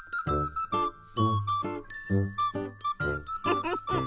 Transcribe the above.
フフフフ。